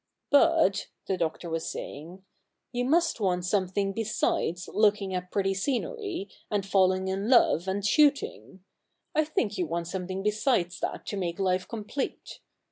' But,' the Doctor was saying, ' you must want some thing besides looking at pretty scenery, and falling in love, and shooting, I think you want something besides that to make life complete.